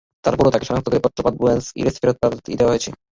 তার পরও তাঁকে শনাক্ত করে পত্রপাঠ বুয়েনস এইরেসে ফেরত পাঠিয়ে দেওয়া হয়েছে।